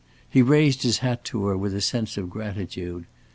He raised his hat to her with a sense of gratitude.